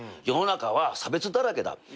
世の中は差別だらけだ。